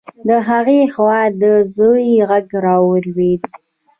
د هغې خوا يې د زوی غږ واورېد.